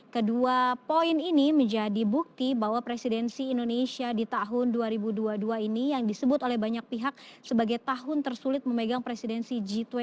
kedua poin ini menjadi bukti bahwa presidensi indonesia di tahun dua ribu dua puluh dua ini yang disebut oleh banyak pihak sebagai tahun tersulit memegang presidensi g dua puluh